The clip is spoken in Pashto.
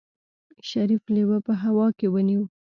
شريف لېوه په هوا کې ونيو.